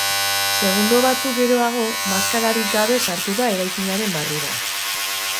Segundo batzuk geroago, maskararik gabe sartu da eraikinaren barrura.